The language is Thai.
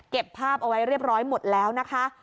ภาพเอาไว้เรียบร้อยหมดแล้วนะคะ